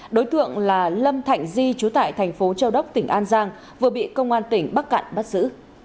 đối tượng là lâm thạnh di trú tại thành phố châu đốc tỉnh an giang vừa bị công an tỉnh bắc cạn bắt giữ